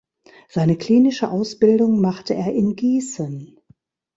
Seine klinische Ausbildung machte er in Gießen.